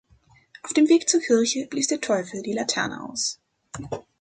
Auf dem Weg zur Kirche blies der Teufel die Laterne aus.